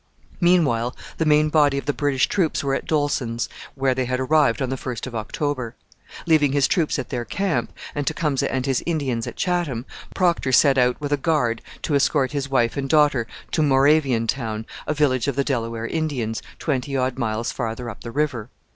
Meanwhile the main body of the British troops were at Dolsen's, where they had arrived on the 1st of October. Leaving his troops at their camp, and Tecumseh and his Indians at Chatham, Procter set out with a guard to escort his wife and daughter to Moraviantown, a village of the Delaware Indians, twenty odd miles farther up the river.